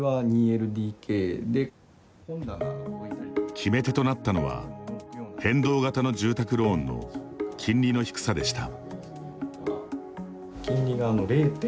決め手となったのは変動型の住宅ローンの金利の低さでした。